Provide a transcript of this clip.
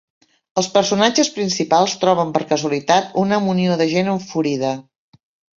Els personatges principals troben per casualitat una munió de gent enfurida.